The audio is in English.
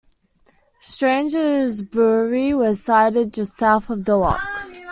Strange's Brewery was sited just south of the lock.